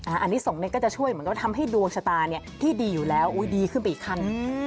อันนี้ส่งก็จะช่วยเหมือนกับทำให้ดวงชะตาที่ดีอยู่แล้วดีขึ้นไปอีกขั้น